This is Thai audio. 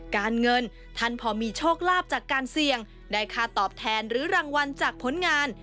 การเงินท่านพอมีโชคลาภจากการเสี่ยงได้ค่าตอบแทนหรือรางวัลจากผลงาน